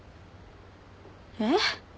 えっ？